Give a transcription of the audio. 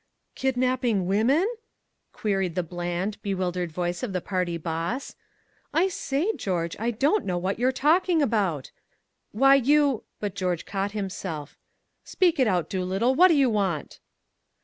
"Kidnapping women?" queried the bland, bewildered voice of the party boss. "I say, George, I don't know what you're talking about." "Why, you " But George caught himself. "Speak it out, Doolittle what do you want?"